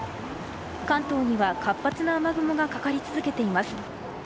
関東には活発な雨雲がかかり続けています。